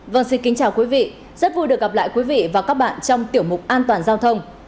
vâng xin kính chào quý vị rất vui được gặp lại quý vị và các bạn trong tiểu mục an toàn giao thông